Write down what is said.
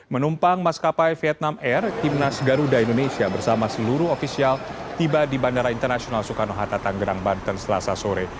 menumpang maskapai vietnam air timnas garuda indonesia bersama seluruh ofisial tiba di bandara internasional soekarno hatta tanggerang banten selasa sore